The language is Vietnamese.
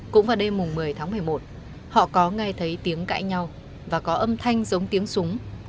cũng vào đêm một mươi tháng một mươi một họ có ngay thấy tiếng cãi nhau và có âm thanh giống tiếng súng